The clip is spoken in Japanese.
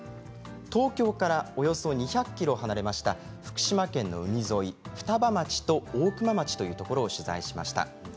東京からおよそ２００ｋｍ離れました福島県の海沿い、双葉町と大熊町というところを取材しました。